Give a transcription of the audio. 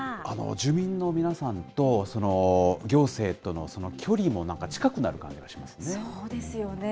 住民の皆さんと、行政との距離もなんか近くなる感じがしますね。